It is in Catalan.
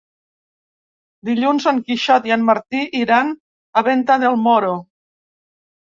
Dilluns en Quixot i en Martí iran a Venta del Moro.